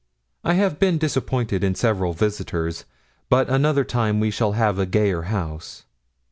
I have been disappointed in several visitors; but another time we shall have a gayer house.